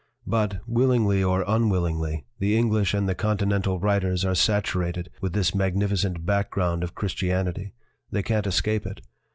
But, willingly or unwillingly, the English and the Con tinental writers are saturated with this mag nificent background of Christianity they can't escape it.